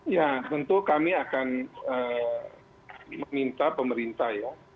ya tentu kami akan meminta pemerintah ya